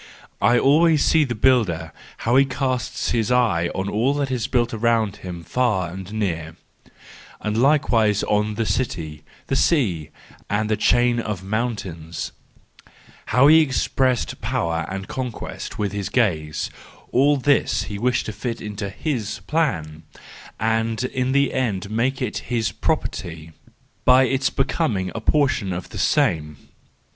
I always see the builder, how he casts his eye on all that is built around him far and near, and likewise on the city, the sea, and the chain of mountains ; how he expresses power and conquest in his gaze: all this he wishes to fit into his plan, and in the end make it his property , by its becoming a portion of the same.